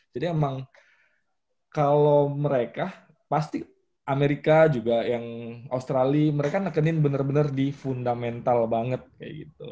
jadi emang kalo mereka pasti amerika juga yang australia mereka ngenekenin bener bener di fundamental banget kayak gitu